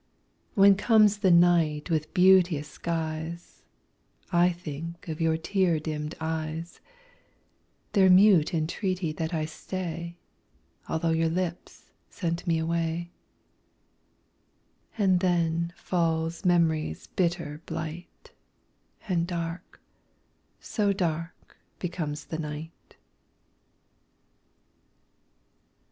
When comes the night with beauteous skies, I think of your tear dimmed eyes, Their mute entreaty that I stay, Although your lips sent me away; And then falls memory's bitter blight, And dark so dark becomes the night.